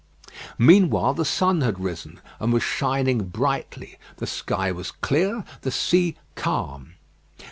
Meanwhile, the sun had risen, and was shining brightly. The sky was clear, the sea calm.